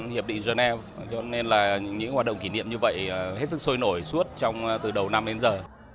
hiệp định geneva cho nên là những hoạt động kỷ niệm như vậy hết sức sôi nổi suốt từ đầu năm đến giờ